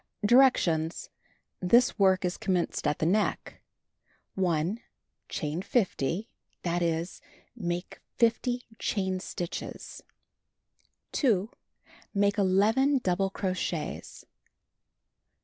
Directions: Tills work is commenced at the neck. 1. Chain 50; that is, make 50 chain stitches. 2. Make 11 double crochets.